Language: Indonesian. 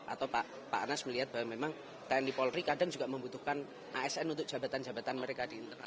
atau pak anas melihat bahwa memang tni polri kadang juga membutuhkan asn untuk jabatan jabatan mereka di internal